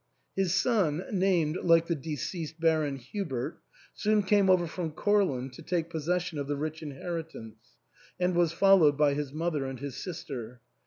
His son, named, like the deceased Baron, Hubert, soon came over from Courland to take possession of the rich inheritance ; and was followed by his mother and his sister.